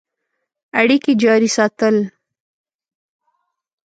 اړیکي جاري ساتل.